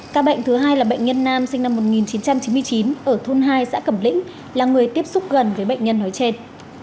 ca bệnh thứ hai là bệnh nhân nam sinh năm một nghìn chín trăm chín mươi chín ở thôn hai xã cẩm lĩnh là người tiếp xúc gần với bệnh nhân nói trên